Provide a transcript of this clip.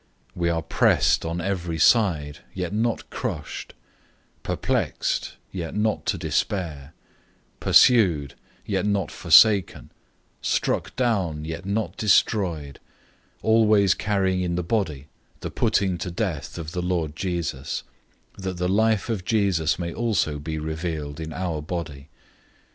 004:008 We are pressed on every side, yet not crushed; perplexed, yet not to despair; 004:009 pursued, yet not forsaken; struck down, yet not destroyed; 004:010 always carrying in the body the putting to death of the Lord Jesus, that the life of Jesus may also be revealed in our body.